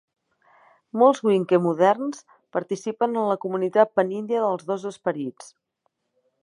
Molts "winkte" moderns participen en la comunitat panindia dels dos esperits.